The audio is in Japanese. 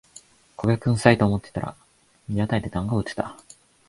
焦げくさいと思ったら屋台でだんご売ってた